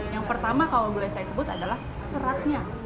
yang pertama kalau boleh saya sebut adalah seratnya